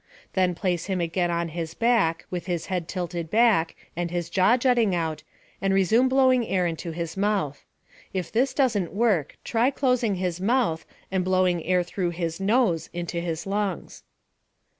Then place him again on his back, with his head tilted back and his jaw jutting out, and resume blowing air into his mouth. If this doesn't work, try closing his mouth and blowing air through his nose into his lungs.